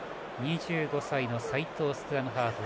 ２５歳の齋藤がスクラムハーフ。